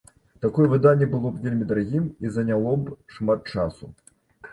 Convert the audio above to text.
Такое выданне было б вельмі дарагім і заняло б шмат часу.